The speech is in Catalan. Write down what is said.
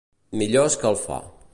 Millor escalfar.